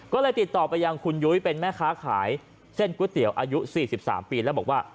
ก็เลยติดต่อไปยังคุณยุ้ยเป็นแม่ค้าขายเส้นก๋วยเตี๋ยวอายุ๔๓ปีแล้วบอกว่า